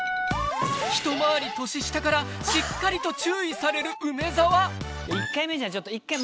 ひと回り年下からしっかりと注意される梅澤はい。